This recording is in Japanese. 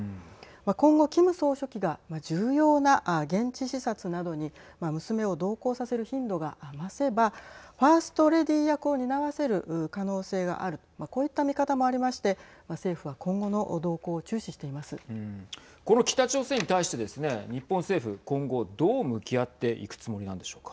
今後、キム総書記が重要な現地視察などに娘を同行させる頻度が増せばファースト・レディー役を担わせる可能性があるこういった見方もありまして政府はこの北朝鮮に対してですね日本政府今後どう向き合っていくつもりなんでしょうか。